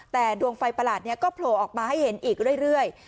แต่ดวงไฟประหลาดนี้ก็โผล่ออกมาให้เห็นอีกเรื่อย